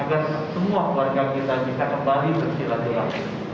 agar semua warga kita bisa kembali bersilat silat